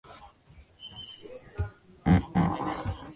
某些种类的胡萝卜素的分子的一端或两端为烃环。